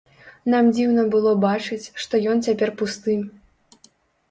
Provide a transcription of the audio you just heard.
Нам дзіўна было бачыць, што ён цяпер пусты.